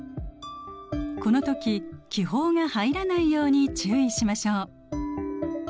この時気泡が入らないように注意しましょう。